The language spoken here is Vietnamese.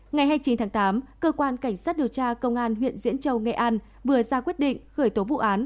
ngày hai mươi chín tháng tám cơ quan cảnh sát điều tra công an huyện diễn châu nghệ an vừa ra quyết định khởi tố vụ án